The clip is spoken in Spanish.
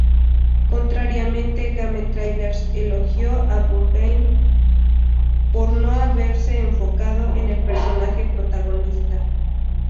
Contrariamente, GameTrailers elogió a Bungie por no haberse enfocado en el personaje protagonista.